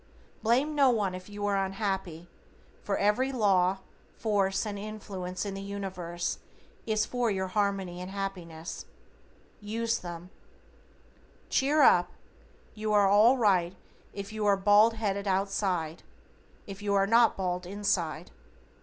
Blame no one if you are unhappy, for every law, force and influence in the Universe is for your Harmony and Happiness. USE THEM. Cheer up. You are all right if you are bald headed outside, if you are not bald inside.